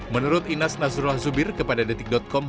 menurut inas nasrullah zubir kepada detik com